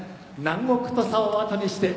「『南国土佐を後にして』